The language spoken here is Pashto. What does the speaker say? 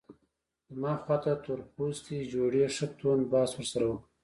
زما خواته تور پوستي جوړې ښه توند بحث ورسره وکړ.